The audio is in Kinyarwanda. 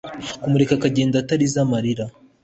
kumureka akagenda atarize amarira